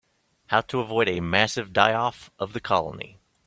How to avoid a massive die-off of the colony.